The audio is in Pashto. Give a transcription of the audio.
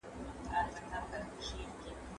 که ځنګلونه له منځه لاړ شي نو ځمکه توده کېږي.